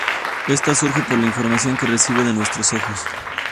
Esta surge por la información que recibe de nuestros ojos.